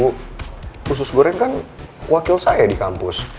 khusus goreng kan wakil saya di kampus